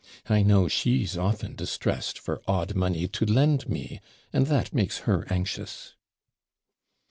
I know she's often distressed for odd money to lend me, and that makes her anxious.'